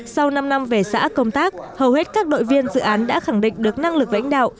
sau năm năm về xã công tác hầu hết các đội viên dự án đã khẳng định được năng lực lãnh đạo